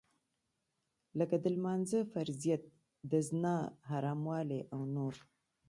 لکه د لمانځه فرضيت د زنا حراموالی او نور.